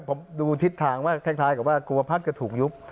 ผมดูทิศทางแค่ท้ายกว่าครูพักก็ถูกยุบ